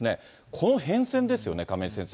この変遷ですよね、亀井先生。